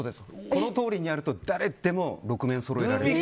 このとおりにやると誰でも６面そろえられる。